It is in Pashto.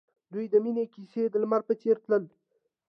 د دوی د مینې کیسه د لمر په څېر تلله.